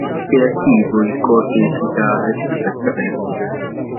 È attivo il Corpo Musicale Giuseppe Verdi.